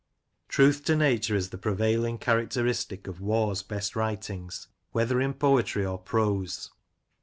Truth to nature is the prevailing characteristic of Waugh's best writings, whether in poetry or prose.